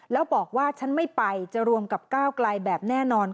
แล้วบอกว่าฉันไม่ไปจะรวมกับก้าวไกลแบบแน่นอน